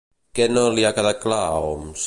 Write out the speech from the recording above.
Què no li ha quedat clar a Homs?